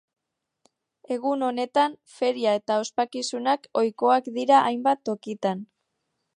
Egun honetan feria eta ospakizunak ohikoak dira hainbat tokitan.